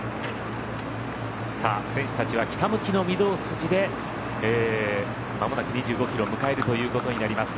選手たちは北向きの御堂筋で間もなく２５キロを迎えるということになります。